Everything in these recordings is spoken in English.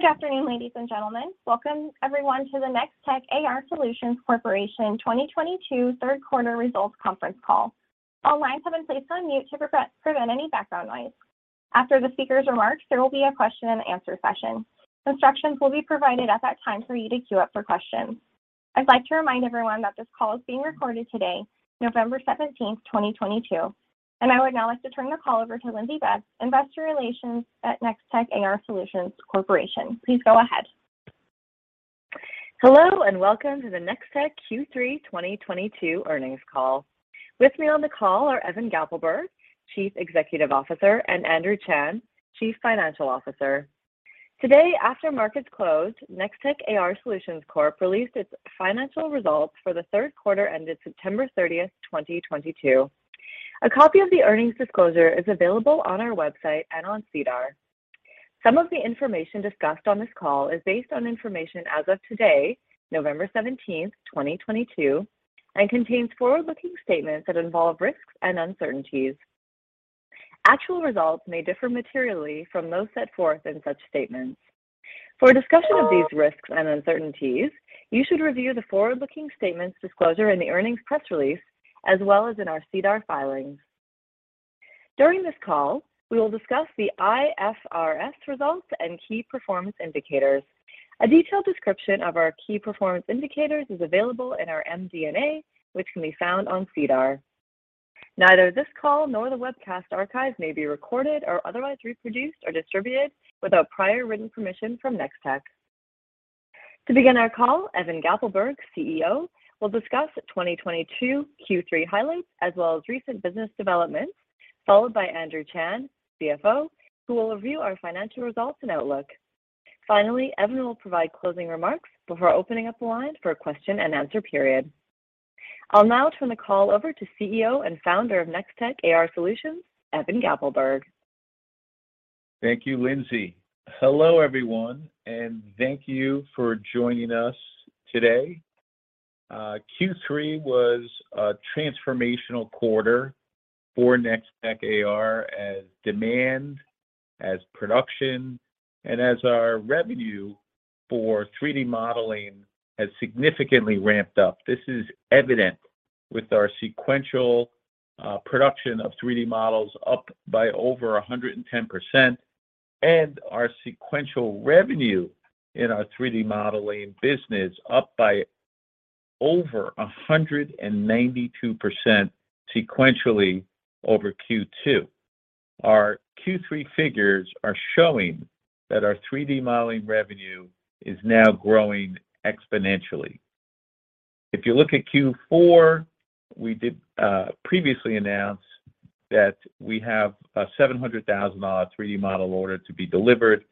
Good afternoon, ladies and gentlemen. Welcome everyone to the Nextech AR Solutions Corporation 2022 third quarter results conference call. All lines have been placed on mute to prevent any background noise. After the speaker's remarks, there will be a question and answer session. Instructions will be provided at that time for you to queue up for questions. I'd like to remind everyone that this call is being recorded today, November 17th, 2022. I would now like to turn the call over to Lindsay Betts, Investor Relations at Nextech AR Solutions Corporation. Please go ahead. Hello, and welcome to the Nextech Q3 2022 earnings call. With me on the call are Evan Gappelberg, Chief Executive Officer, and Andrew Chan, Chief Financial Officer. Today, after markets closed, Nextech AR Solutions Corp. released its financial results for the third quarter ended September 30th, 2022. A copy of the earnings disclosure is available on our website and on SEDAR. Some of the information discussed on this call is based on information as of today, November 17th, 2022, and contains forward-looking statements that involve risks and uncertainties. Actual results may differ materially from those set forth in such statements. For a discussion of these risks and uncertainties, you should review the forward-looking statements disclosure in the earnings press release, as well as in our SEDAR filings. During this call, we will discuss the IFRS results and key performance indicators. A detailed description of our key performance indicators is available in our MD&A, which can be found on SEDAR. Neither this call nor the webcast archive may be recorded or otherwise reproduced or distributed without prior written permission from Nextech. To begin our call, Evan Gappelberg, CEO, will discuss 2022 Q3 highlights as well as recent business developments, followed by Andrew Chan, CFO, who will review our financial results and outlook. Finally, Evan will provide closing remarks before opening up the line for a question and answer period. I'll now turn the call over to CEO and Founder of Nextech AR Solutions, Evan Gappelberg. Thank you, Lindsay. Hello, everyone, and thank you for joining us today. Q3 was a transformational quarter for Nextech AR as demand, as production, and as our revenue for 3D modeling has significantly ramped up. This is evident with our sequential production of 3D models up by over 110%, and our sequential revenue in our 3D modeling business up by over 192% sequentially over Q2. Our Q3 figures are showing that our 3D modeling revenue is now growing exponentially. If you look at Q4, we did previously announce that we have a 700,000 dollar 3D model order to be delivered,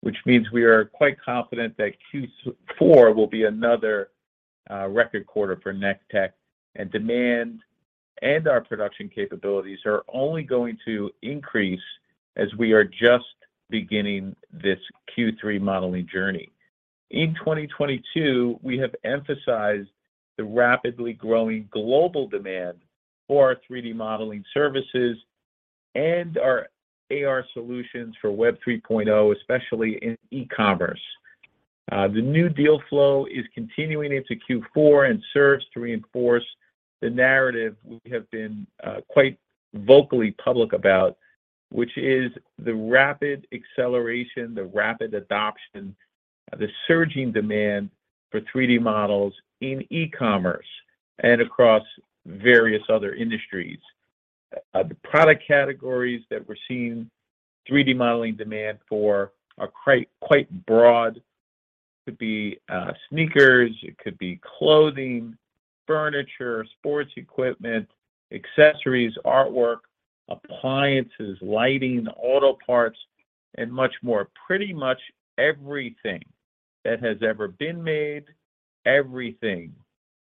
which means we are quite confident that Q4 will be another record quarter for Nextech, and demand and our production capabilities are only going to increase as we are just beginning this 3D modeling journey. In 2022, we have emphasized the rapidly growing global demand for our 3D modeling services and our AR solutions for Web 3.0, especially in e-commerce. The new deal flow is continuing into Q4 and serves to reinforce the narrative we have been quite vocally public about, which is the rapid acceleration, the rapid adoption, the surging demand for 3D models in e-commerce and across various other industries. The product categories that we're seeing 3D modeling demand for are quite broad. Could be sneakers, it could be clothing, furniture, sports equipment, accessories, artwork, appliances, lighting, auto parts, and much more. Pretty much everything that has ever been made, everything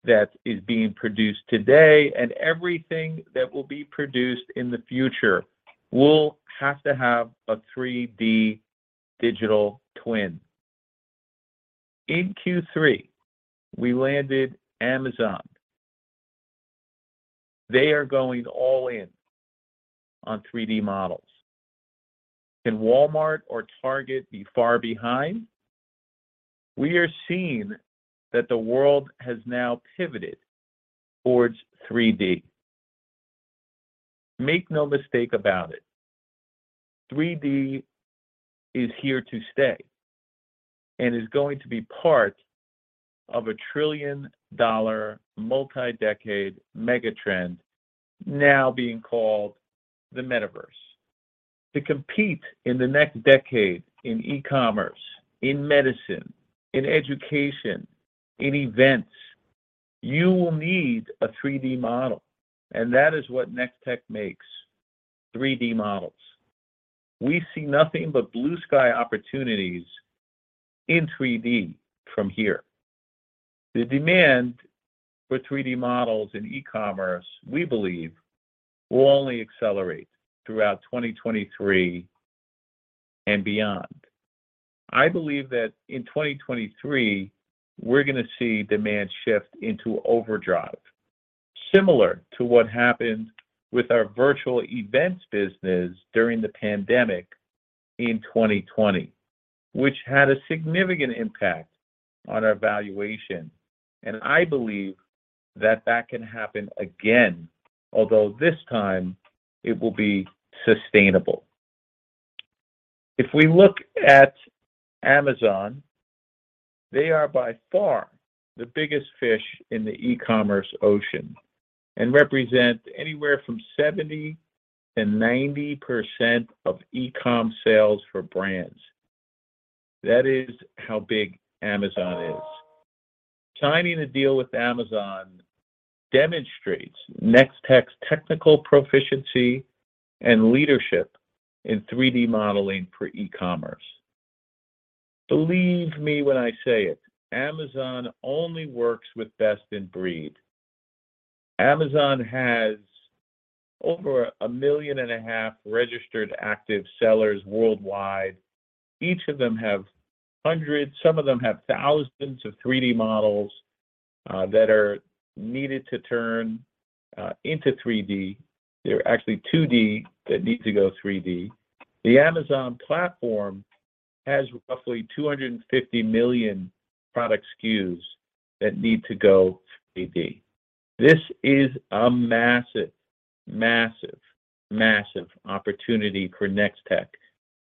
that is being produced today, and everything that will be produced in the future will have to have a 3D digital twin. In Q3, we landed Amazon. They are going all in on 3D models. Can Walmart or Target be far behind? We are seeing that the world has now pivoted towards 3D. Make no mistake about it, 3D is here to stay and is going to be part of a trillion-dollar multi-decade mega trend now being called the Metaverse. To compete in the next decade in e-commerce, in medicine, in education, in events, you will need a 3D model, and that is what Nextech makes, 3D models. We see nothing but blue sky opportunities in 3D from here. The demand for 3D models in e-commerce, we believe, will only accelerate throughout 2023 and beyond. I believe that in 2023, we're gonna see demand shift into overdrive, similar to what happened with our virtual events business during the pandemic in 2020, which had a significant impact on our valuation. I believe that that can happen again. Although this time it will be sustainable. If we look at Amazon, they are by far the biggest fish in the e-commerce ocean and represent anywhere from 70%-90% of e-com sales for brands. That is how big Amazon is. Signing a deal with Amazon demonstrates Nextech's technical proficiency and leadership in 3D modeling for e-commerce. Believe me when I say it, Amazon only works with best in breed. Amazon has over 1.5 million registered active sellers worldwide. Each of them have hundreds, some of them have thousands of 3D models that are needed to turn into 3D. They're actually 2D that need to go 3D. The Amazon platform has roughly 250 million product SKUs that need to go 3D. This is a massive, massive opportunity for Nextech,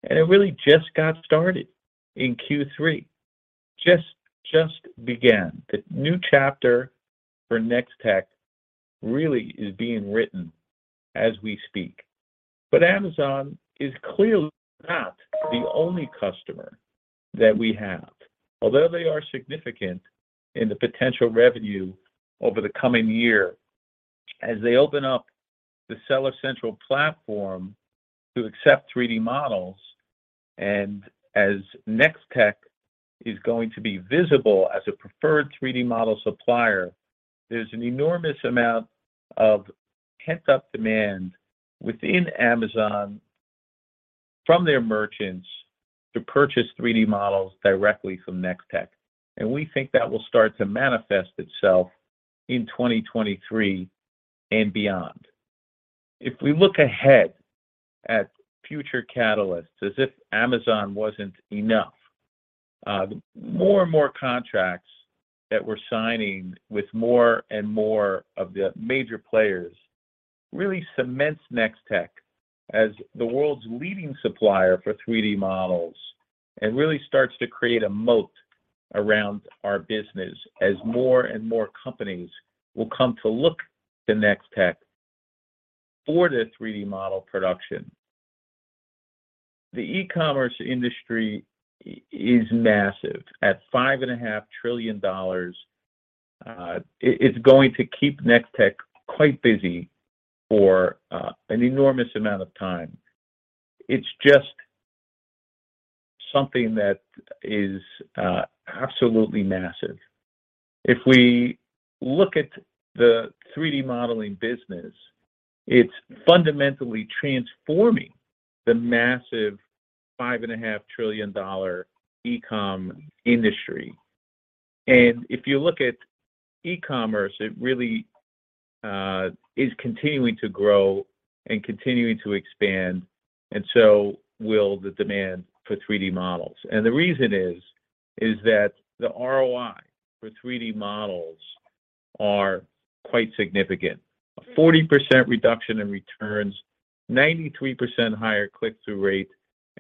and it really just got started in Q3. Just began. The new chapter for Nextech really is being written as we speak. Amazon is clearly not the only customer that we have. Although they are significant in the potential revenue over the coming year as they open up the Seller Central platform to accept 3D models, and as Nextech is going to be visible as a preferred 3D model supplier, there's an enormous amount of pent-up demand within Amazon from their merchants to purchase 3D models directly from Nextech. We think that will start to manifest itself in 2023 and beyond. If we look ahead at future catalysts, as if Amazon wasn't enough, more and more contracts that we're signing with more and more of the major players really cements Nextech as the world's leading supplier for 3D models and really starts to create a moat around our business as more and more companies will come to look to Nextech for their 3D model production. The e-commerce industry is massive. At 5.5 trillion dollars, it's going to keep Nextech quite busy for an enormous amount of time. It's just something that is absolutely massive. If we look at the 3D modeling business, it's fundamentally transforming the massive CAD 5.5 trillion e-comm industry. If you look at e-commerce, it really is continuing to grow and continuing to expand, and so will the demand for 3D models. The reason is that the ROI for 3D models are quite significant. A 40% reduction in returns, 93% higher click-through rate,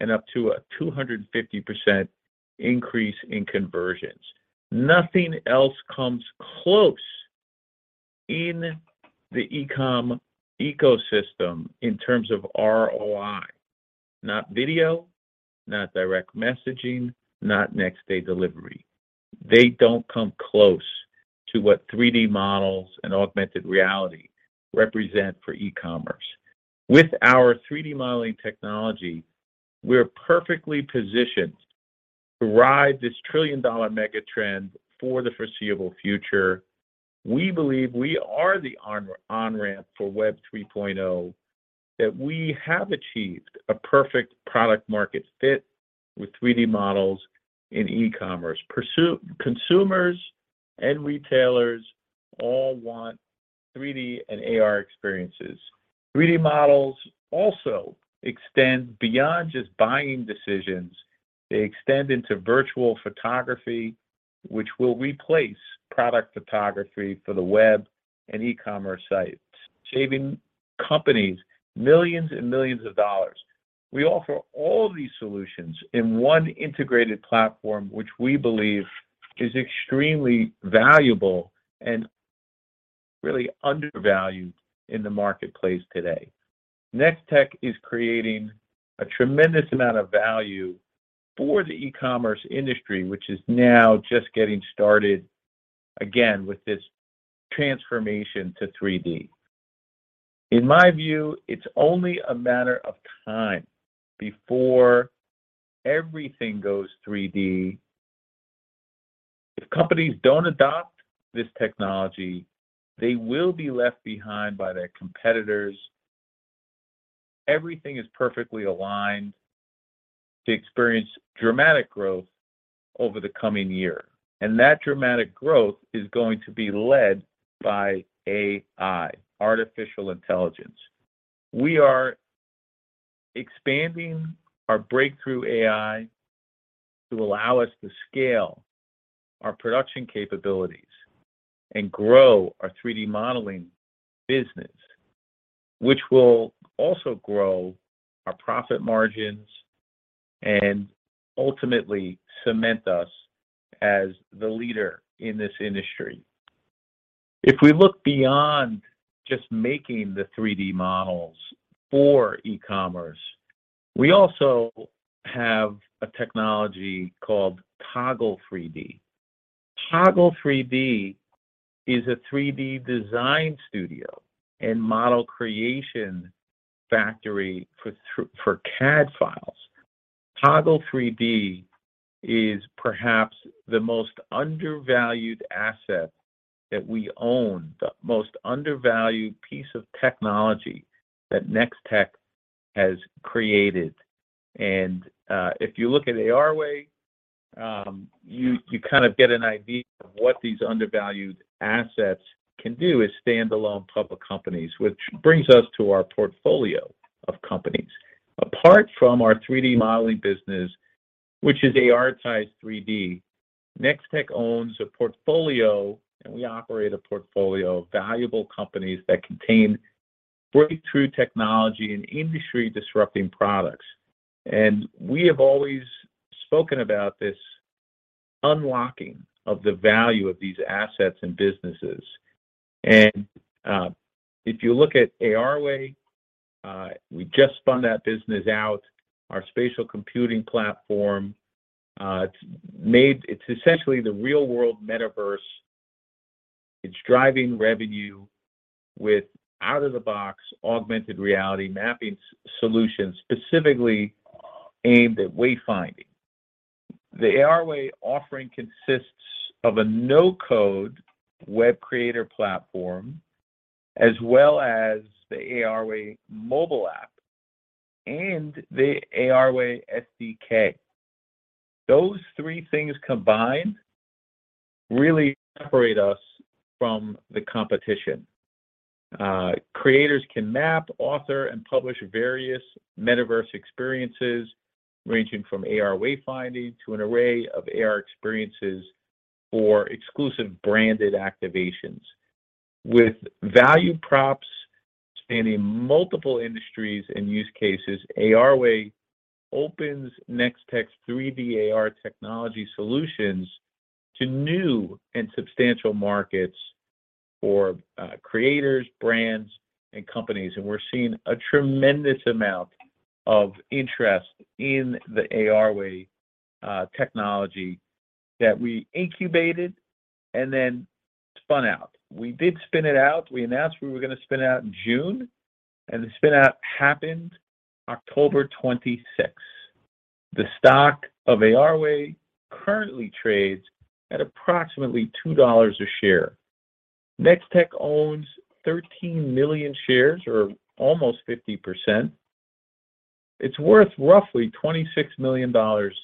and up to a 250% increase in conversions. Nothing else comes close in the e-comm ecosystem in terms of ROI. Not video, not direct messaging, not next-day delivery. They don't come close to what 3D models and augmented reality represent for e-commerce. With our 3D modeling technology, we're perfectly positioned to ride this trillion-dollar mega trend for the foreseeable future. We believe we are the onramp for Web 3.0, that we have achieved a perfect product market fit with 3D models in e-commerce. Consumers and retailers all want 3D and AR experiences. 3D models also extend beyond just buying decisions. They extend into virtual photography, which will replace product photography for the web and e-commerce sites, saving companies millions and millions of dollars. We offer all these solutions in one integrated platform, which we believe is extremely valuable and really undervalued in the marketplace today. Nextech is creating a tremendous amount of value for the e-commerce industry, which is now just getting started again with this transformation to 3D. In my view, it's only a matter of time before everything goes 3D. If companies don't adopt this technology, they will be left behind by their competitors. Everything is perfectly aligned to experience dramatic growth over the coming year, and that dramatic growth is going to be led by A.I., artificial intelligence. We are expanding our breakthrough A.I. to allow us to scale our production capabilities and grow our 3D modeling business, which will also grow our profit margins and ultimately cement us as the leader in this industry. If we look beyond just making the 3D models for e-commerce, we also have a technology called Toggle3D. Toggle3D is a 3D design studio and model creation factory for CAD files. Toggle3D is perhaps the most undervalued asset that we own, the most undervalued piece of technology that Nextech has created. If you look at ARway, you kind of get an idea of what these undervalued assets can do as standalone public companies, which brings us to our portfolio of companies. Apart from our 3D modeling business, which is ARitize 3D, Nextech owns a portfolio, and we operate a portfolio of valuable companies that contain breakthrough technology and industry-disrupting products. We have always spoken about this unlocking of the value of these assets and businesses. If you look at ARway, we just spun that business out, our spatial computing platform. It's essentially the real-world Metaverse. It's driving revenue with out-of-the-box augmented reality mapping solutions specifically aimed at wayfinding. The ARway offering consists of a no-code web creator platform, as well as the ARway mobile app and the ARway SDK. Those three things combined really separate us from the competition. Creators can map, author, and publish various Metaverse experiences ranging from AR wayfinding to an array of AR experiences or exclusive branded activations. With value props spanning multiple industries and use cases, ARway opens Nextech's 3D AR technology solutions to new and substantial markets for creators, brands, and companies. We're seeing a tremendous amount of interest in the ARway technology that we incubated and then spun out. We did spin it out. We announced we were gonna spin out in June, and the spin out happened October 26th. The stock of ARway currently trades at approximately 2 dollars a share. Nextech owns 13 million shares, or almost 50%. It's worth roughly 26 million dollars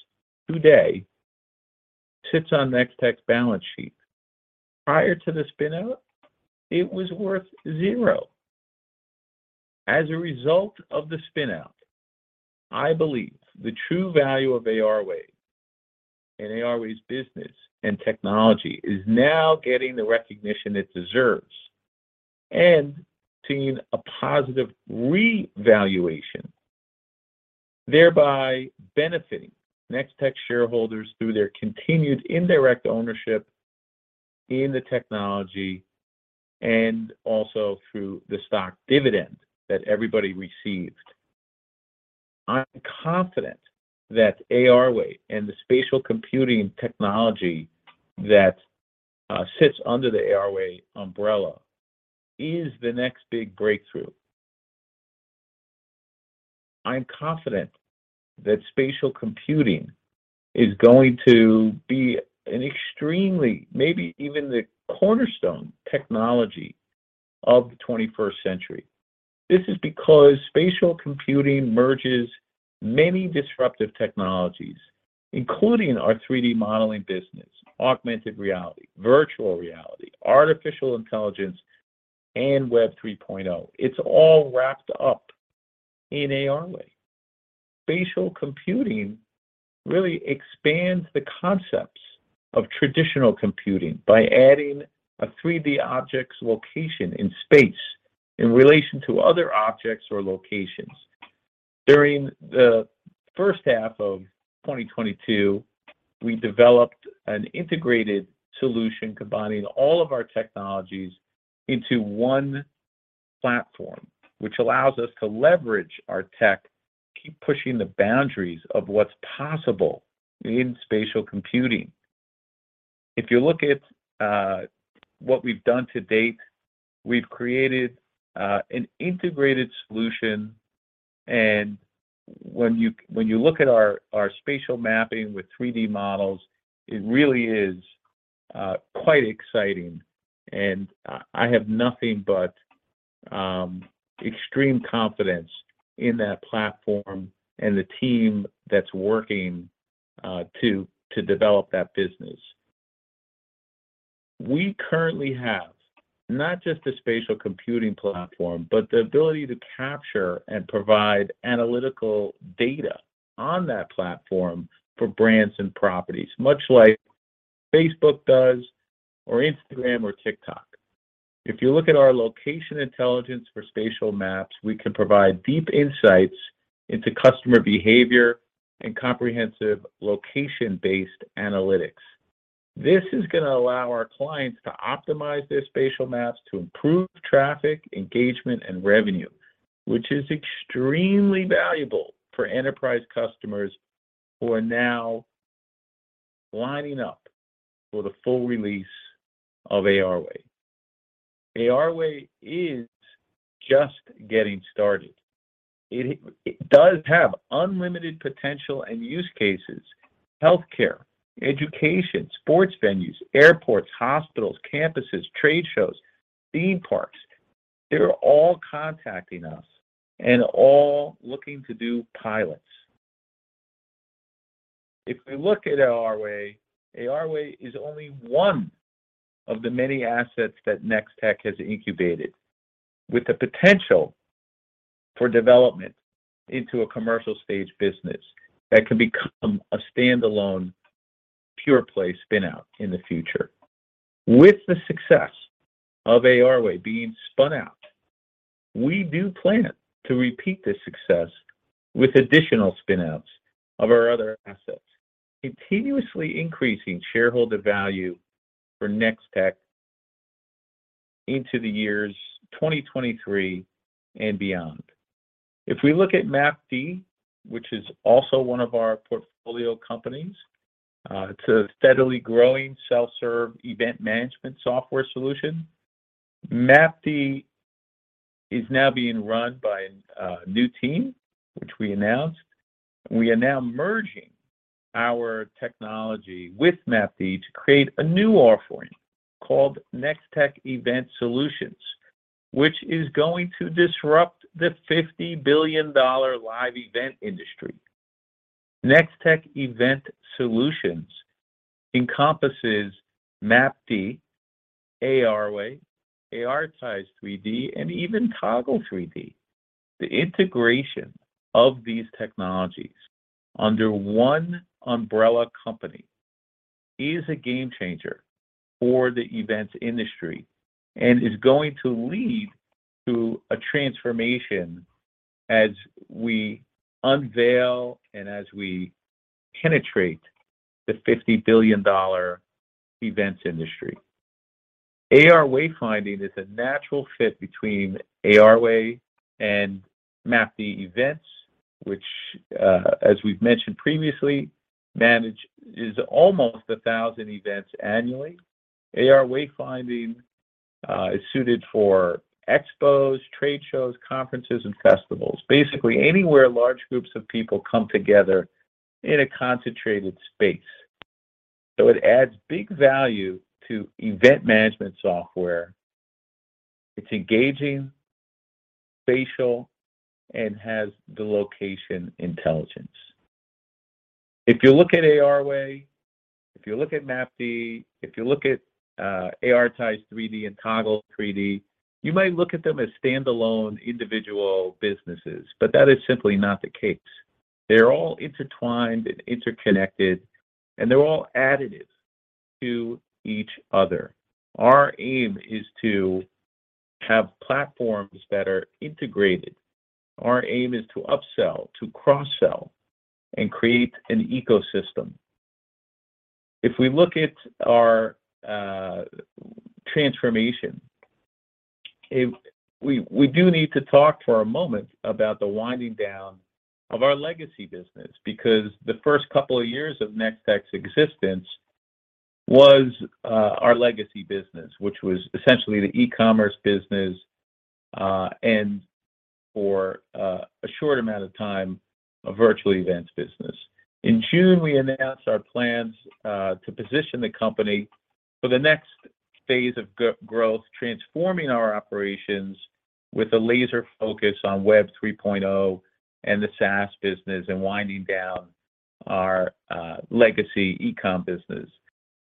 today. Sits on Nextech's balance sheet. Prior to the spin out, it was worth zero. As a result of the spin out, I believe the true value of ARway and ARway's business and technology is now getting the recognition it deserves and seeing a positive revaluation, thereby benefiting Nextech shareholders through their continued indirect ownership in the technology and also through the stock dividend that everybody received. I'm confident that ARway and the spatial computing technology that sits under the ARway umbrella is the next big breakthrough. I'm confident that spatial computing is going to be an extremely, maybe even the cornerstone technology of the 21st century. This is because spatial computing merges many disruptive technologies, including our 3D modeling business, augmented reality, virtual reality, artificial intelligence, and Web 3.0. It's all wrapped up in ARway. Spatial computing really expands the concepts of traditional computing by adding a 3D object's location in space in relation to other objects or locations. During the first half of 2022, we developed an integrated solution combining all of our technologies into one platform, which allows us to leverage our tech, keep pushing the boundaries of what's possible in spatial computing. If you look at what we've done to date, we've created an integrated solution. When you look at our spatial mapping with 3D models, it really is quite exciting. I have nothing but extreme confidence in that platform and the team that's working to develop that business. We currently have not just a spatial computing platform, but the ability to capture and provide analytical data on that platform for brands and properties, much like Facebook does, or Instagram or TikTok. If you look at our location intelligence for spatial maps, we can provide deep insights into customer behavior and comprehensive location-based analytics. This is gonna allow our clients to optimize their spatial maps to improve traffic, engagement, and revenue, which is extremely valuable for enterprise customers who are now lining up for the full release of ARway. ARway is just getting started. It does have unlimited potential and use cases. Healthcare, education, sports venues, airports, hospitals, campuses, trade shows, theme parks, they're all contacting us and all looking to do pilots. If we look at ARway is only one of the many assets that Nextech has incubated with the potential for development into a commercial-stage business that can become a standalone pure-play spin-out in the future. With the success of ARway being spun out, we do plan to repeat this success with additional spin-outs of our other assets, continuously increasing shareholder value for Nextech into the years 2023 and beyond. If we look at MapD, which is also one of our portfolio companies, it's a steadily growing self-serve event management software solution. MapD is now being run by a new team, which we announced. We are now merging our technology with MapD to create a new offering called Nextech Event Solutions, which is going to disrupt the 50 billion dollar live event industry. Nextech Event Solutions encompasses MapD, ARway, ARitize 3D, and even Toggle3D. The integration of these technologies under one umbrella company is a game changer for the events industry and is going to lead to a transformation as we unveil and as we penetrate the 50 billion dollar events industry. AR wayfinding is a natural fit between ARway and MapD events, which, as we've mentioned previously, is almost 1,000 events annually. AR wayfinding is suited for expos, trade shows, conferences, and festivals, basically anywhere large groups of people come together in a concentrated space. It adds big value to event management software. It's engaging, spatial, and has the location intelligence. If you look at ARway, if you look at MapD, if you look at ARitize 3D and Toggle3D, you might look at them as standalone individual businesses, but that is simply not the case. They're all intertwined and interconnected, and they're all additive to each other. Our aim is to have platforms that are integrated. Our aim is to upsell, to cross-sell, and create an ecosystem. If we look at our transformation, we do need to talk for a moment about the winding down of our legacy business because the first couple of years of Nextech's existence was our legacy business, which was essentially the e-commerce business and for a short amount of time, a virtual events business. In June, we announced our plans to position the company for the next phase of growth, transforming our operations with a laser focus on Web 3.0 and the SaaS business and winding down our legacy e-comm business.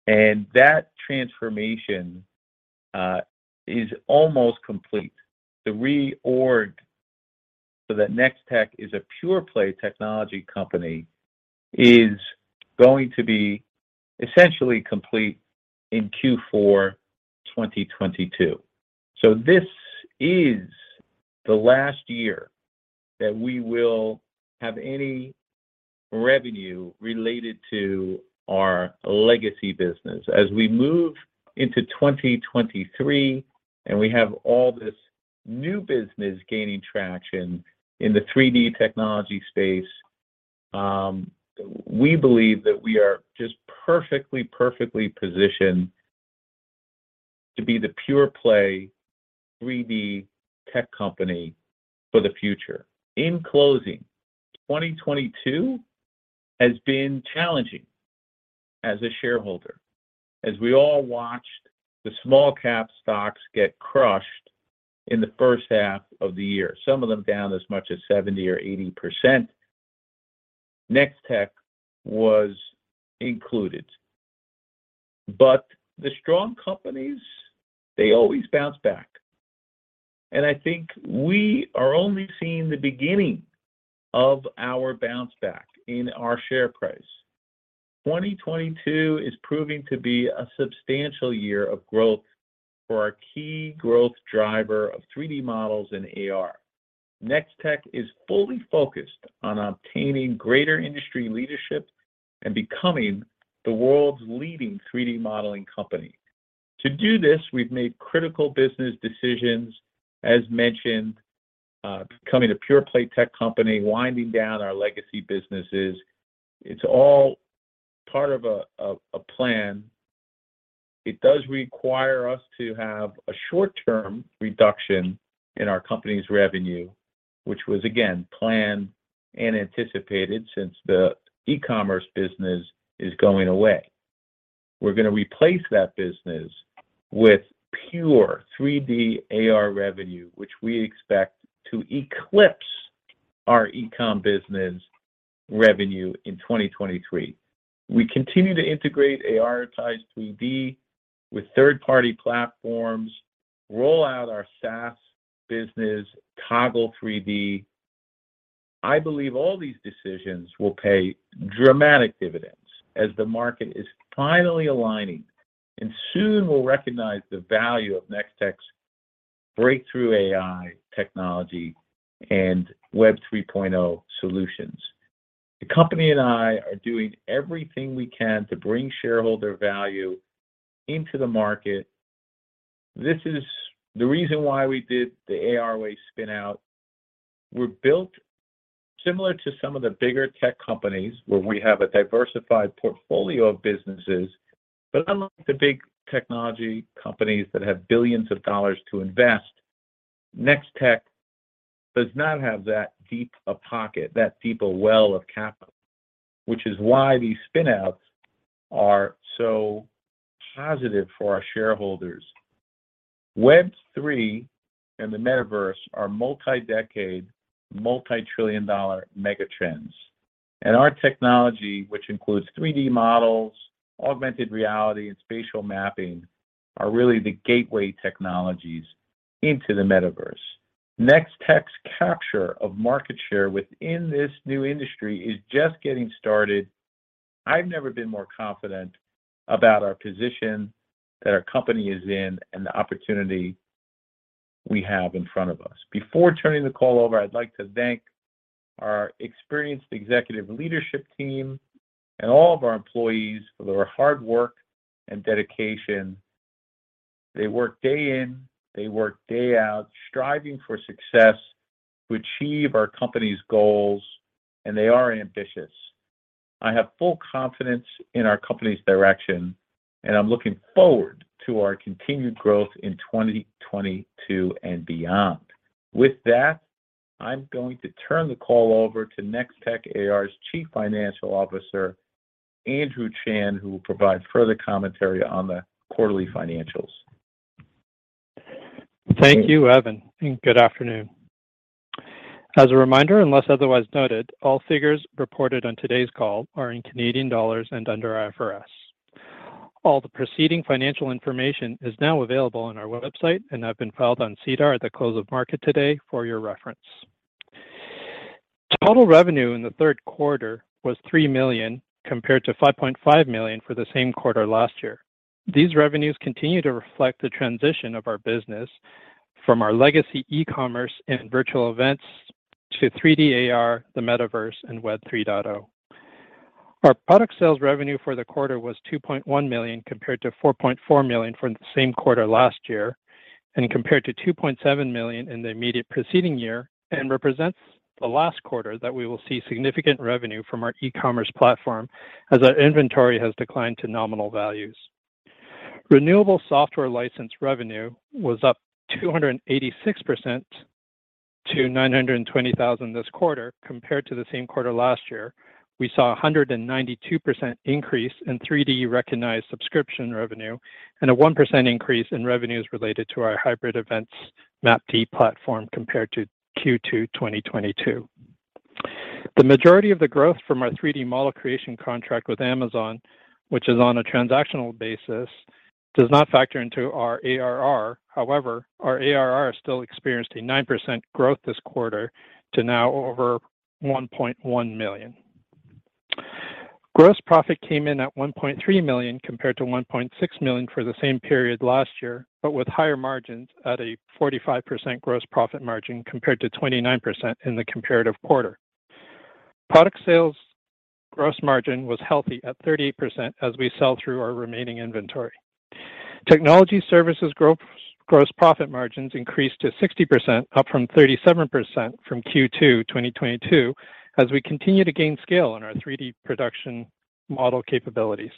That transformation is almost complete. The reorg so that Nextech is a pure-play technology company is going to be essentially complete in Q4 2022. This is the last year that we will have any revenue related to our legacy business. As we move into 2023, and we have all this new business gaining traction in the 3D technology space, we believe that we are just perfectly positioned to be the pure-play 3D tech company for the future. In closing, 2022 has been challenging as a shareholder as we all watched the small-cap stocks get crushed in the first half of the year, some of them down as much as 70% or 80%. Nextech was included. The strong companies, they always bounce back, and I think we are only seeing the beginning of our bounce back in our share price. 2022 is proving to be a substantial year of growth for our key growth driver of 3D models and AR Nextech is fully focused on obtaining greater industry leadership and becoming the world's leading 3D modeling company. To do this, we've made critical business decisions. As mentioned, becoming a pure-play tech company, winding down our legacy businesses. It's all part of a plan. It does require us to have a short-term reduction in our company's revenue, which was again planned and anticipated since the e-commerce business is going away. We're gonna replace that business with pure 3D AR revenue, which we expect to eclipse our e-comm business revenue in 2023. We continue to integrate ARitize 3D with third-party platforms, roll out our SaaS business, Toggle3D. I believe all these decisions will pay dramatic dividends as the market is finally aligning and soon will recognize the value of Nextech's breakthrough AI technology and Web 3.0 solutions. The company and I are doing everything we can to bring shareholder value into the market. This is the reason why we did the ARway spin out. We're built similar to some of the bigger tech companies where we have a diversified portfolio of businesses. Unlike the big technology companies that have billions of dollars to invest, Nextech does not have that deep a pocket, that deep a well of capital, which is why these spin-outs are so positive for our shareholders. Web 3.0 and the Metaverse are multi-decade, multi-trillion dollar megatrends, and our technology, which includes 3D models, augmented reality and spatial mapping, are really the gateway technologies into the Metaverse. Nextech's capture of market share within this new industry is just getting started. I've never been more confident about our position that our company is in and the opportunity we have in front of us. Before turning the call over, I'd like to thank our experienced executive leadership team and all of our employees for their hard work and dedication. They work day in, they work day out, striving for success to achieve our company's goals, and they are ambitious. I have full confidence in our company's direction, and I'm looking forward to our continued growth in 2022 and beyond. With that, I'm going to turn the call over to Nextech AR's Chief Financial Officer, Andrew Chan, who will provide further commentary on the quarterly financials. Thank you, Evan, and good afternoon. As a reminder, unless otherwise noted, all figures reported on today's call are in Canadian dollars and under IFRS. All the preceding financial information is now available on our website and have been filed on SEDAR at the close of market today for your reference. Total revenue in the third quarter was 3 million, compared to 5.5 million for the same quarter last year. These revenues continue to reflect the transition of our business from our legacy e-commerce and virtual events to 3D AR, the Metaverse and Web 3.0. Our product sales revenue for the quarter was 2.1 million, compared to 4.4 million for the same quarter last year, and compared to 2.7 million in the immediate preceding year, and represents the last quarter that we will see significant revenue from our e-commerce platform as our inventory has declined to nominal values. Renewable software license revenue was up 286% to 920,000 this quarter compared to the same quarter last year. We saw a 192% increase in 3D recognized subscription revenue and a 1% increase in revenues related to our hybrid events MapD platform compared to Q2 2022. The majority of the growth from our 3D model creation contract with Amazon, which is on a transactional basis, does not factor into our ARR. However, our ARR still experienced a nine percent growth this quarter to now over 1.1 million. Gross profit came in at 1.3 million, compared to 1.6 million for the same period last year, but with higher margins at a 45% gross profit margin, compared to 29% in the comparative quarter. Product sales gross margin was healthy at 38% as we sell through our remaining inventory. Technology services growthGross profit margins increased to 60%, up from 37% from Q2 2022, as we continue to gain scale on our 3D production model capabilities.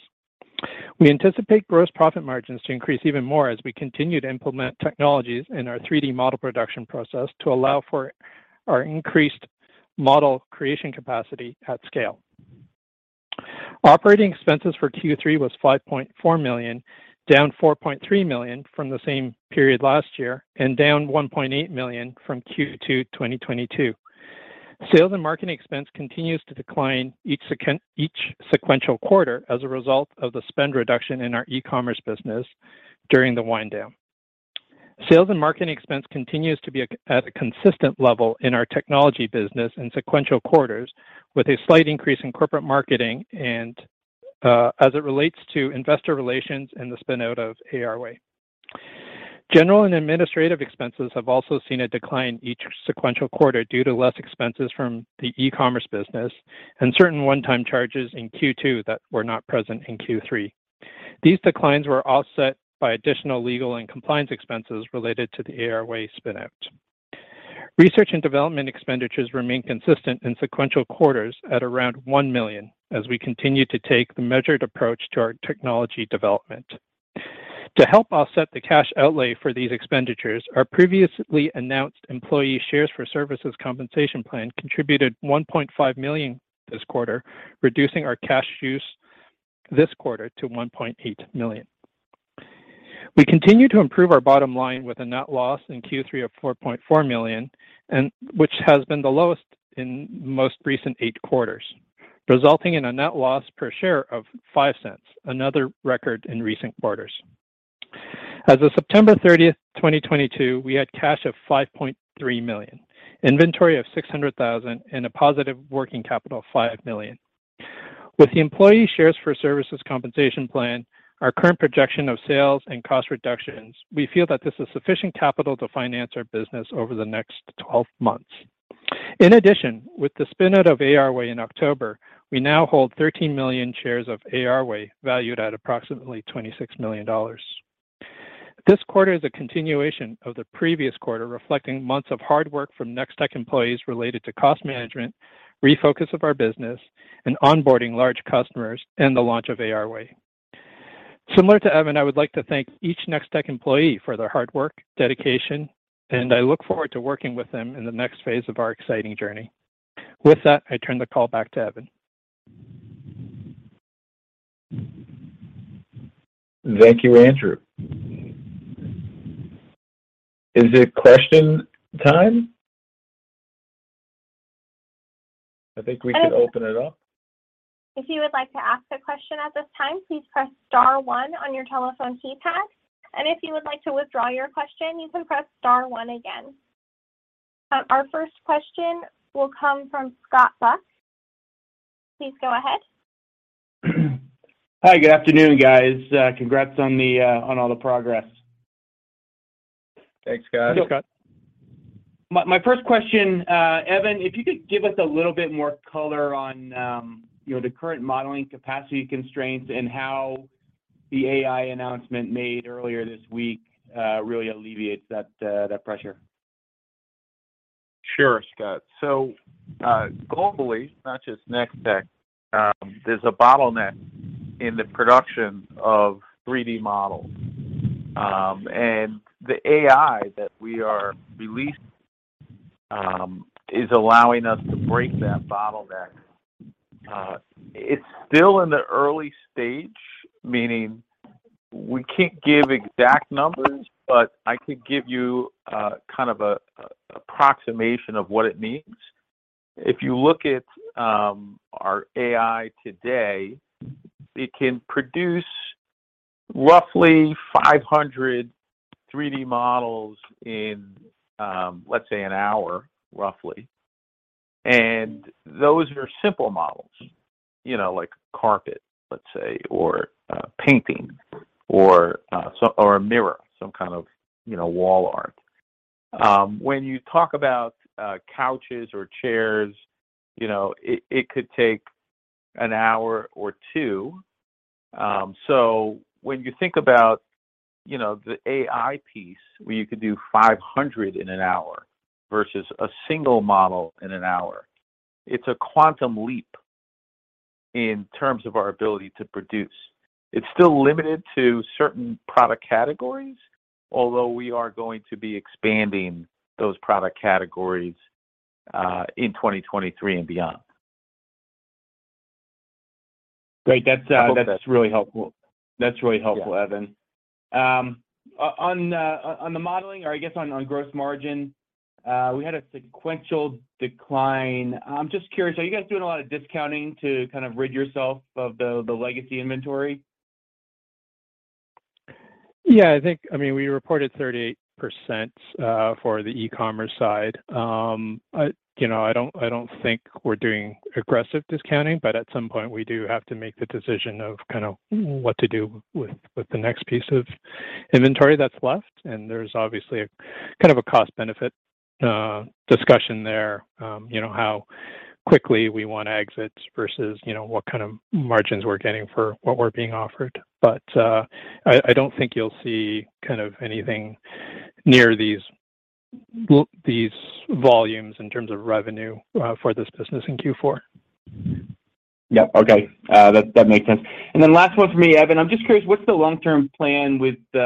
We anticipate gross profit margins to increase even more as we continue to implement technologies in our 3D model production process to allow for our increased model creation capacity at scale. Operating expenses for Q3 was 5.4 million, down 4.3 million from the same period last year and down 1.8 million from Q2 2022. Sales and marketing expense continues to decline each sequential quarter as a result of the spend reduction in our e-commerce business during the wind down. Sales and marketing expense continues to be at a consistent level in our technology business in sequential quarters, with a slight increase in corporate marketing and as it relates to investor relations and the spin-out of ARway. General and administrative expenses have also seen a decline each sequential quarter due to less expenses from the e-commerce business and certain one-time charges in Q2 that were not present in Q3. These declines were offset by additional legal and compliance expenses related to the ARway spin-out. Research and development expenditures remain consistent in sequential quarters at around 1 million as we continue to take the measured approach to our technology development. To help offset the cash outlay for these expenditures, our previously announced employee shares for services compensation plan contributed 1.5 million this quarter, reducing our cash use this quarter to 1.8 million. We continue to improve our bottom line with a net loss in Q3 of 4.4 million, and which has been the lowest in most recent eight quarters, resulting in a net loss per share of 0.05, another record in recent quarters. As of September 30th, 2022, we had cash of 5.3 million, inventory of 600,000, and a positive working capital of 5 million. With the employee shares for services compensation plan, our current projection of sales and cost reductions, we feel that this is sufficient capital to finance our business over the next 12 months. In addition, with the spin-out of ARway in October, we now hold 13 million shares of ARway, valued at approximately 26 million dollars. This quarter is a continuation of the previous quarter, reflecting months of hard work from Nextech employees related to cost management, refocus of our business, and onboarding large customers, and the launch of ARway. Similar to Evan, I would like to thank each Nextech employee for their hard work, dedication, and I look forward to working with them in the next phase of our exciting journey. With that, I turn the call back to Evan. Thank you, Andrew. Is it question time? I think we could open it up. If you would like to ask a question at this time, please press star one on your telephone keypad. If you would like to withdraw your question, you can press star one again. Our first question will come from Scott Buck. Please go ahead. Hi, good afternoon, guys. Congrats on all the progress. Thanks, Scott. Thanks, Scott. My first question, Evan, if you could give us a little bit more color on, you know, the current modeling capacity constraints and how the A.I. announcement made earlier this week really alleviates that pressure. Sure, Scott. Globally, not just Nextech, there's a bottleneck in the production of 3D models. The AI that we are releasing is allowing us to break that bottleneck. It's still in the early stage, meaning we can't give exact numbers, but I could give you kind of a approximation of what it means. If you look at our AI today, it can produce roughly 500 3D models in, let's say, an hour, roughly. Those are simple models, you know, like carpet, let's say, or a painting, or a mirror, some kind of, you know, wall art. When you talk about couches or chairs, you know, it could take an hour or two. When you think about, you know, the AI piece, where you could do 500 in an hour versus a single model in an hour, it's a quantum leap in terms of our ability to produce. It's still limited to certain product categories, although we are going to be expanding those product categories in 2023 and beyond. Great. That's really helpful. Yeah Evan. On the modeling, or I guess on gross margin, we had a sequential decline. I'm just curious, are you guys doing a lot of discounting to kind of rid yourself of the legacy inventory? Yeah, I think, I mean, we reported 38% for the e-commerce side. I, you know, I don't think we're doing aggressive discounting, but at some point, we do have to make the decision of kind of what to do with the next piece of inventory that's left, and there's obviously a kind of a cost-benefit discussion there, you know, how quickly we want exits versus, you know, what kind of margins we're getting for what we're being offered. I don't think you'll see kind of anything near these volumes in terms of revenue for this business in Q4. Yep. Okay. That makes sense. Last one from me, Evan. I'm just curious, what's the long-term plan with your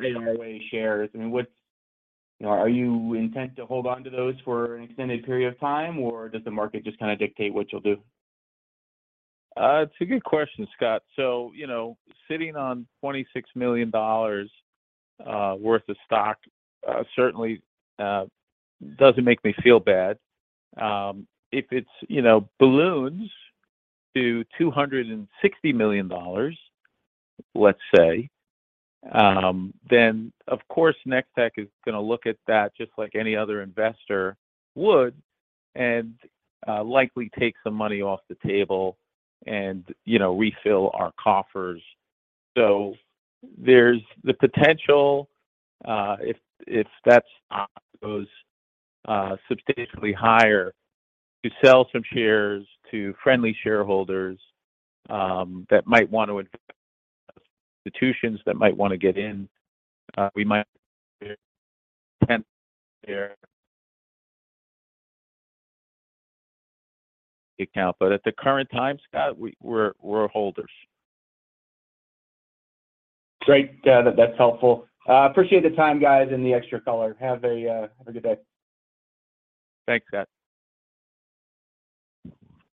ARway shares? I mean, you know, are you intent to hold onto those for an extended period of time, or does the market just kind of dictate what you'll do? It's a good question, Scott. You know, sitting on 26 million dollars worth of stock certainly doesn't make me feel bad. If it, you know, balloons to 260 million dollars, let's say, of course Nextech is gonna look at that just like any other investor would and likely take some money off the table and, you know, refill our coffers. There's the potential, if that stock goes substantially higher, to sell some shares to friendly shareholders that might want to invest, institutions that might wanna get in. We might share count. At the current time, Scott, we're holders. Great. That's helpful. Appreciate the time, guys, and the extra color. Have a good day. Thanks, Scott.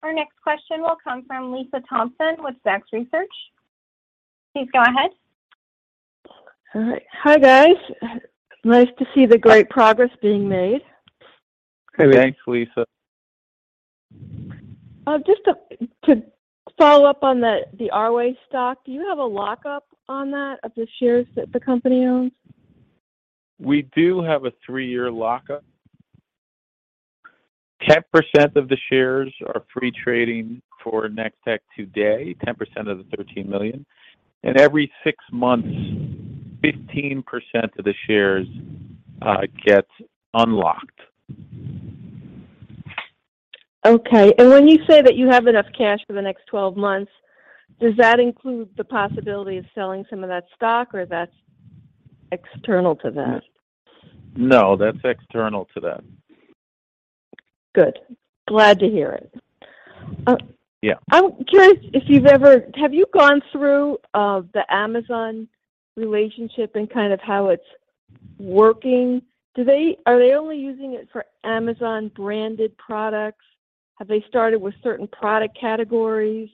Our next question will come from Lisa Thompson with Zacks Research. Please go ahead. All right. Hi, guys. Nice to see the great progress being made. Hey, thanks, Lisa. To follow up on the ARway stock, do you have a lockup on that, of the shares that the company owns? We do have a three-year lockup. 10% of the shares are free trading for Nextech today, 10% of the 13 million. Every six months, 15% of the shares gets unlocked. Okay. When you say that you have enough cash for the next 12 months, does that include the possibility of selling some of that stock, or that's external to that? No, that's external to that. Good. Glad to hear it. Yeah. Have you gone through the Amazon relationship and kind of how it's working? Are they only using it for Amazon-branded products? Have they started with certain product categories?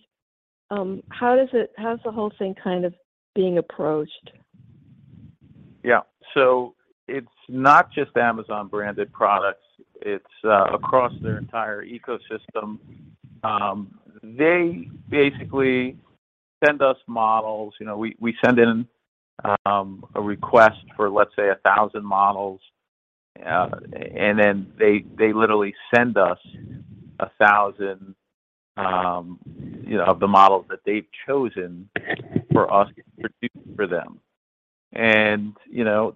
How's the whole thing kind of being approached? Yeah. It's not just Amazon-branded products, it's across their entire ecosystem. They basically send us models. You know, we send in a request for, let's say, 1,000 models, and then they literally send us 1,000, you know, of the models that they've chosen for us to produce for them. You know,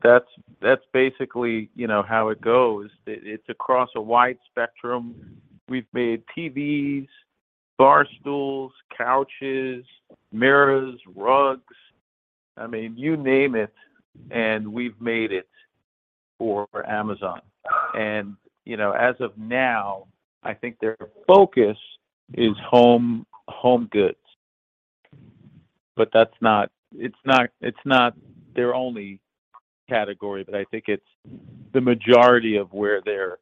that's basically, you know, how it goes. It's across a wide spectrum. We've made TVs, barstools, couches, mirrors, rugs. I mean, you name it, and we've made it for Amazon. You know, as of now, I think their focus is home goods. It's not their only category, but I think it's the majority of where they're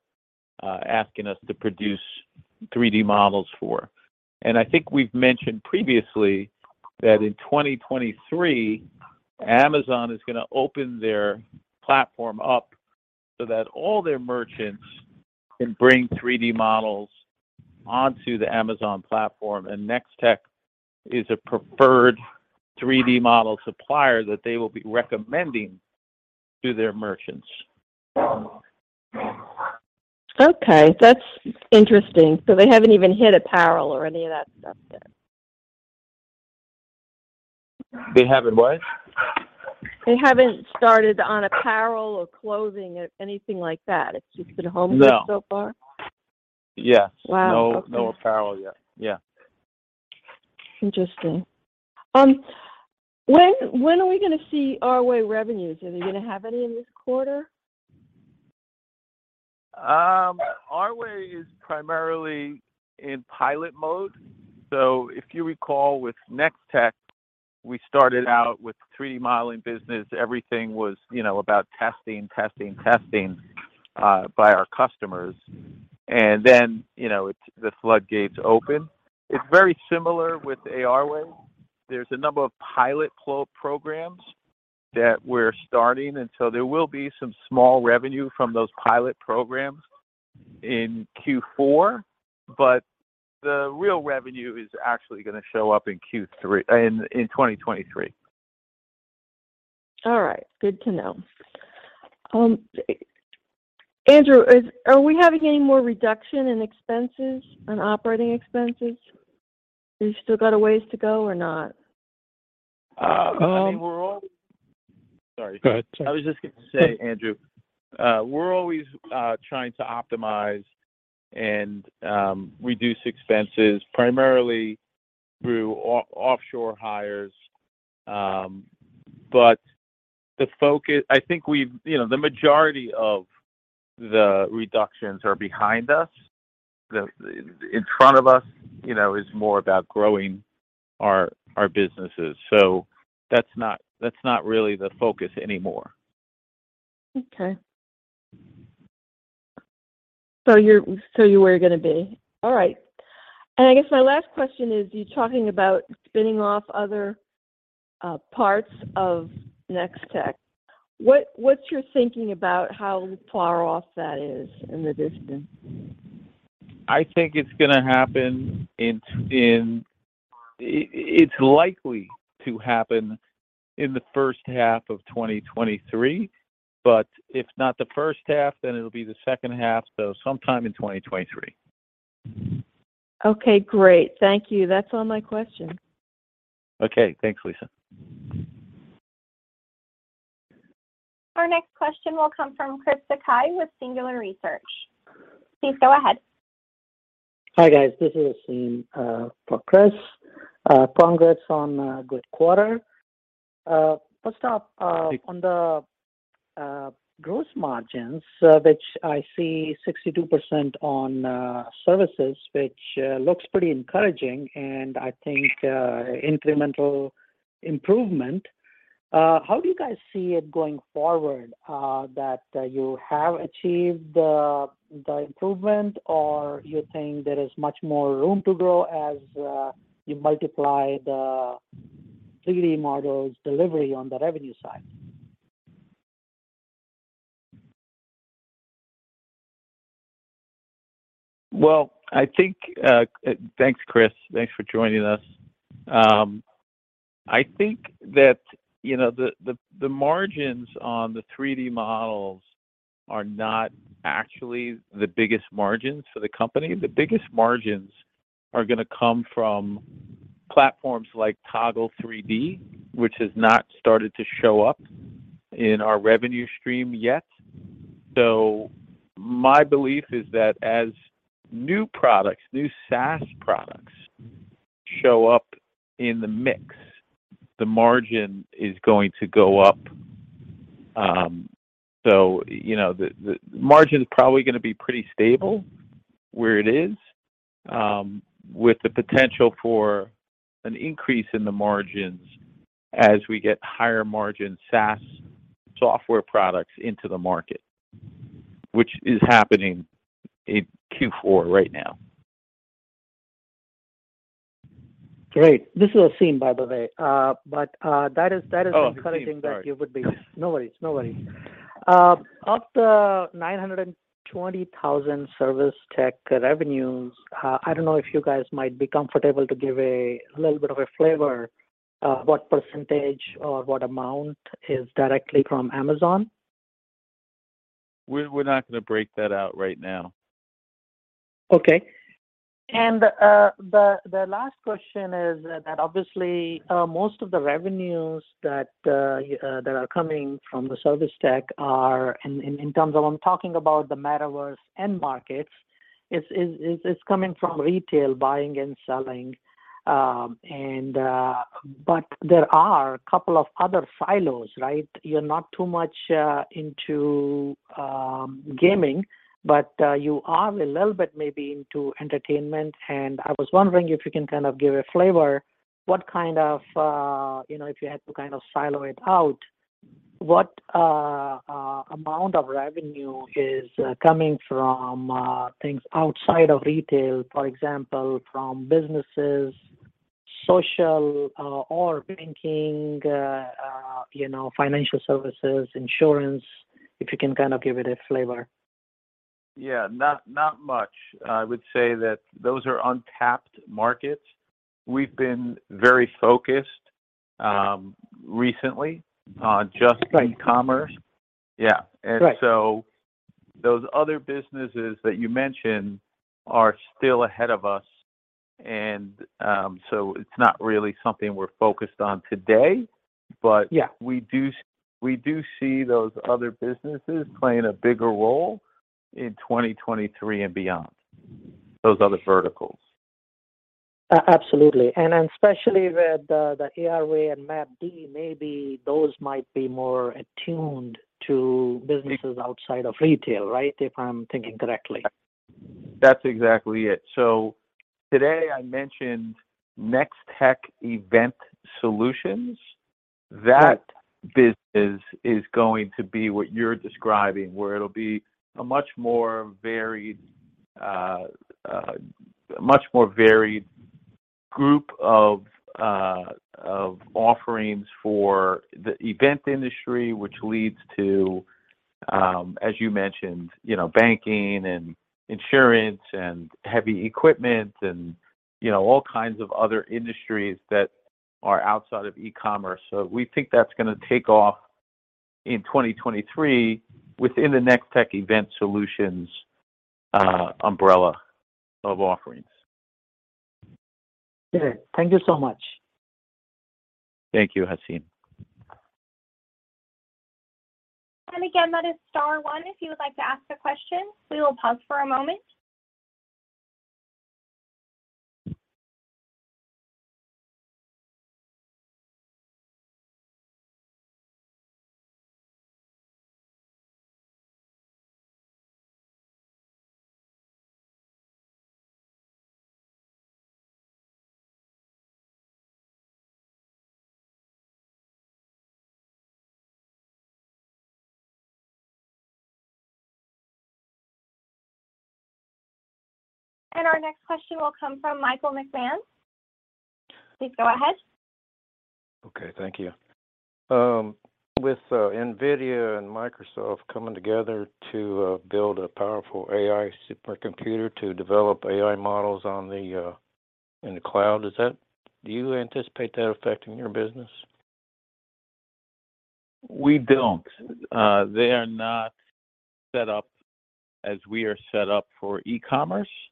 asking us to produce 3D models for. I think we've mentioned previously that in 2023, Amazon is gonna open their platform up so that all their merchants can bring 3D models onto the Amazon platform, and Nextech is a preferred 3D model supplier that they will be recommending to their merchants. Okay. That's interesting. They haven't even hit apparel or any of that stuff yet. They haven't what? They haven't started on apparel or clothing or anything like that. It's just been home goods so far? No. Yeah. Wow, okay. No apparel yet. Yeah. Interesting. When are we gonna see ARway revenues? Are they gonna have any in this quarter? ARway is primarily in pilot mode. If you recall with Nextech, we started out with 3D modeling business. Everything was, you know, about testing by our customers. You know, the floodgates opened. It's very similar with ARway. There's a number of pilot programs that we're starting, and so there will be some small revenue from those pilot programs in Q4, but the real revenue is actually gonna show up in 2023. All right. Good to know. Andrew, are we having any more reduction in expenses, on operating expenses? Have you still got a ways to go or not? I mean, sorry. Go ahead, sorry. I was just gonna say, Andrew, we're always trying to optimize and reduce expenses primarily through offshore hires. You know, the majority of the reductions are behind us. In front of us, you know, is more about growing our businesses. That's not really the focus anymore. Okay. You're where you're gonna be. All right. I guess my last question is, you're talking about spinning off other parts of Nextech. What's your thinking about how far off that is in the distance? It's likely to happen in the first half of 2023. If not the first half, then it'll be the second half. Sometime in 2023. Okay, great. Thank you. That's all my questions. Okay. Thanks, Lisa. Our next question will come from Chris Sakai with Singular Research. Please go ahead. Hi, guys. This is Haseeb for Chris. Congrats on a good quarter. First up on the gross margins, which I see 62% on services, which looks pretty encouraging and I think incremental improvement. How do you guys see it going forward that you have achieved the improvement, or you think there is much more room to grow as you multiply the 3D models delivery on the revenue side? Thanks, Chris. Thanks for joining us. I think that, you know, the margins on the 3D models are not actually the biggest margins for the company. The biggest margins are gonna come from platforms like Toggle3D, which has not started to show up in our revenue stream yet. My belief is that as new products, new SaaS products show up in the mix, the margin is going to go up. You know, the margin's probably gonna be pretty stable where it is, with the potential for an increase in the margins as we get higher margin SaaS software products into the market, which is happening in Q4 right now. Great. This is Haseeb, by the way. Oh, Haseeb. Sorry. Encouraging that you would be. No worries. Of the 920,000 service tech revenues, I don't know if you guys might be comfortable to give a little bit of a flavor, what % or what amount is directly from Amazon? We're not gonna break that out right now. Okay. The last question is that obviously most of the revenues that are coming from the service tech are in terms of I'm talking about the Metaverse end markets, is coming from retail buying and selling. There are a couple of other silos, right? You're not too much into gaming, but you are a little bit maybe into entertainment. I was wondering if you can kind of give a flavor, what kind of, you know, if you had to kind of silo it out, what amount of revenue is coming from things outside of retail? For example, from businesses, social, or banking, you know, financial services, insurance. If you can kind of give it a flavor. Yeah. Not much. I would say that those are untapped markets. We've been very focused recently. Right On just e-commerce. Yeah. Right. Those other businesses that you mentioned are still ahead of us. It's not really something we're focused on today. Yeah We do see those other businesses playing a bigger role in 2023 and beyond, those other verticals. Absolutely. Especially with the ARway and MapD, maybe those might be more attuned to businesses outside of retail, right? If I'm thinking correctly. That's exactly it. Today I mentioned Nextech Event Solutions. Right. That business is going to be what you're describing, where it'll be a much more varied group of offerings for the event industry, which leads to, as you mentioned, you know, banking and insurance and heavy equipment and, you know, all kinds of other industries that are outside of e-commerce. We think that's gonna take off in 2023 within the Nextech Event Solutions umbrella of offerings. Okay. Thank you so much. Thank you, Haseeb. Again, that is star one if you would like to ask a question. We will pause for a moment. Our next question will come from Michael McMahon. Please go ahead. Okay. Thank you. With NVIDIA and Microsoft coming together to build a powerful AI supercomputer to develop AI models in the cloud, do you anticipate that affecting your business? We don't. They are not set up as we are set up for e-commerce. They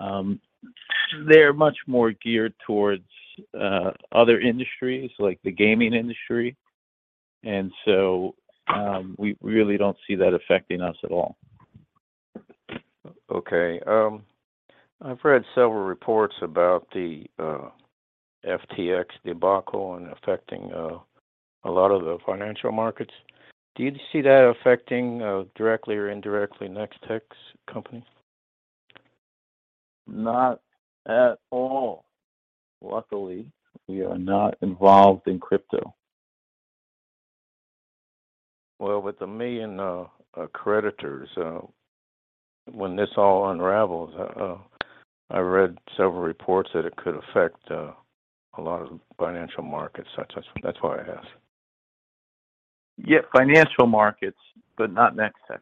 are much more geared towards other industries like the gaming industry. We really don't see that affecting us at all. Okay. I've read several reports about the FTX debacle and affecting a lot of the financial markets. Do you see that affecting directly or indirectly Nextech's company? Not at all. Luckily, we are not involved in crypto. Well, with the 1,000,000 creditors, when this all unravels, I read several reports that it could affect a lot of financial markets. That's why I asked. Yeah, financial markets, but not Nextech.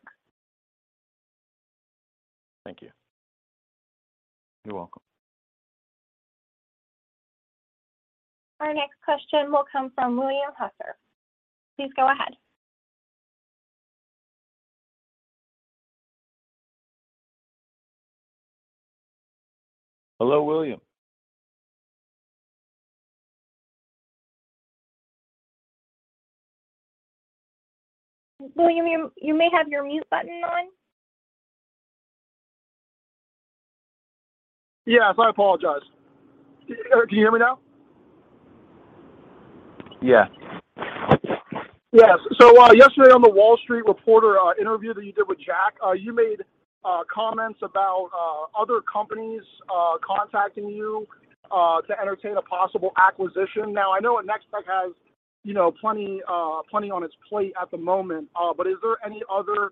Thank you. You're welcome. Our next question will come from William Hutter. Please go ahead. Hello, William. William, you may have your mute button on. Yes, I apologize. Can you hear me now? Yeah. Yes. Yesterday on the Wall Street Reporter interview that you did with Jack, you made comments about other companies contacting you to entertain a possible acquisition. Now, I know Nextech has, you know, plenty on its plate at the moment. Is there any other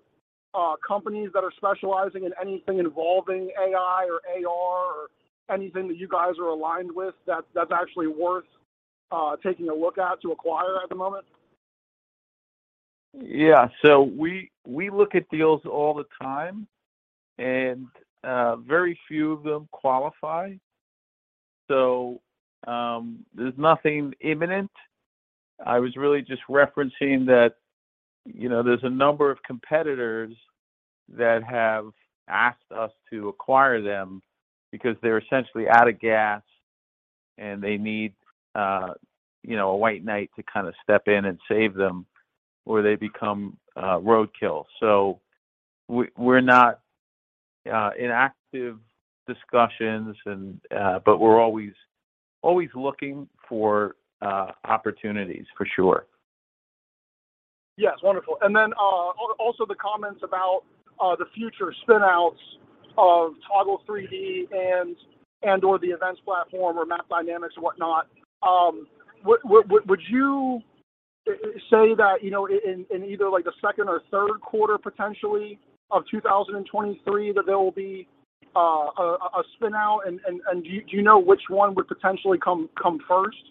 companies that are specializing in anything involving A.I. or AR or anything that you guys are aligned with that's actually worth taking a look at to acquire at the moment? Yeah. We look at deals all the time, and very few of them qualify. There's nothing imminent. I was really just referencing that, you know, there's a number of competitors that have asked us to acquire them because they're essentially out of gas, and they need, you know, a white knight to kinda step in and save them, or they become roadkill. We're not in active discussions, and we're always looking for opportunities for sure. Yes. Wonderful. The comments about the future spin-outs of Toggle3D and/or the events platform or Map Dynamics and whatnot, would you say that, you know, in either like the second or third quarter potentially of 2023 that there will be a spin-out? Do you know which one would potentially come first?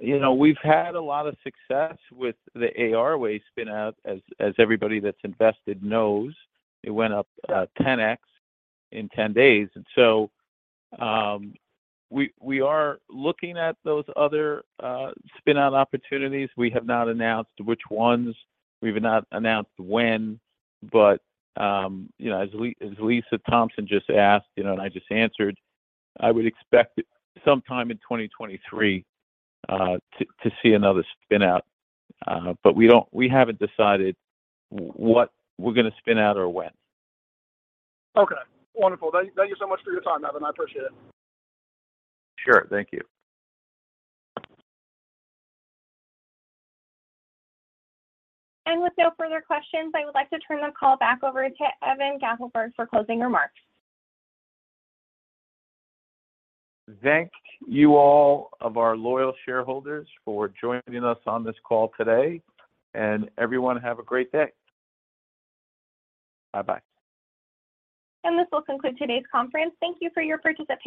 You know, we've had a lot of success with the ARway spin-out as everybody that's invested knows. It went up 10x in 10 days. We are looking at those other spin-out opportunities. We have not announced which ones. We've not announced when. You know, as Lisa Thompson just asked, you know, and I just answered, I would expect sometime in 2023 to see another spin-out. We haven't decided what we're gonna spin out or when. Okay. Wonderful. Thank you so much for your time, Evan. I appreciate it. Sure. Thank you. With no further questions, I would like to turn the call back over to Evan Gappelberg for closing remarks. Thank you all of our loyal shareholders for joining us on this call today. Everyone, have a great day. Bye-bye. This will conclude today's conference. Thank you for your participation.